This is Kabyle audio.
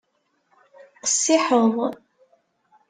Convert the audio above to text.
Qessiḥeḍ.